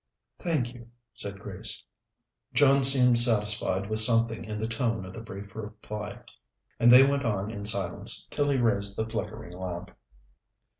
"Thank you," said Grace. John seemed satisfied with something in the tone of the brief reply, and they went on in silence till he raised the flickering lamp.